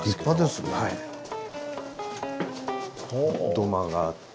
土間があって。